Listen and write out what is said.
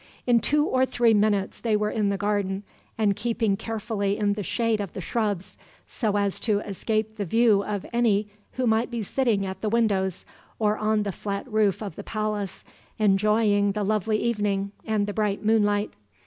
In two or three minutes they were in the garden and keeping carefully in the shade of the shrubs, so as to escape the view of any who might be sitting at the windows, or on the flat roof of the palace, enjoying the lovely evening and the bright moonlight.